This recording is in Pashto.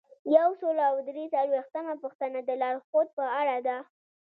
یو سل او درې څلویښتمه پوښتنه د لارښوود په اړه ده.